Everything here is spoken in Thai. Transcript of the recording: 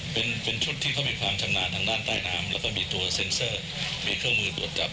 เป็นชุดที่เขามีความชำนาญทางด้านใต้น้ำแล้วก็มีตัวเซ็นเซอร์มีเครื่องมือตรวจจับ